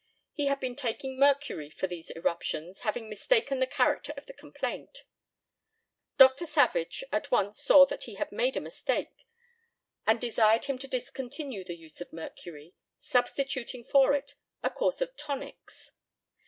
He had been taking mercury for these eruptions, having mistaken the character of the complaint. Dr. Savage at once saw that he had made a mistake, and desired him to discontinue the use of mercury, substituting for it a course of tonics.